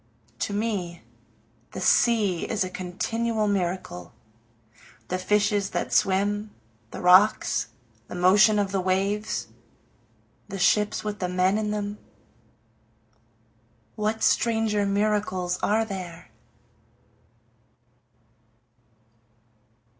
To me the sea is a continual miracle, The fishes that swim the rocks the motion of the waves the ships with the men in them, What stranger miracles are there?